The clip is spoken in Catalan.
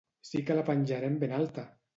Sí que la penjarem ben alta!